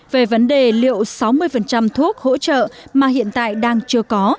về vấn đề liệu sáu mươi thuốc hỗ trợ mà hiện tại đang chưa có